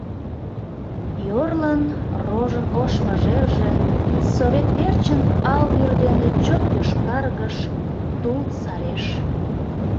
Йорлын рожын Ош мыжерже Совет верчын Ал вӱр дене Чот йошкаргыш Тул сареш.